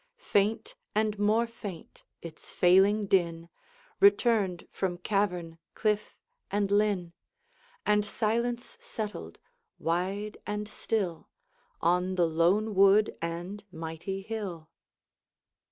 Faint, and more faint, its failing din Returned from cavern, cliff, and linn, And silence settled, wide and still, On the lone wood and mighty hill.